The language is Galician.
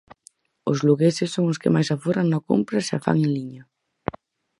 Os lugueses son os que máis aforran na compra se a fan en liña.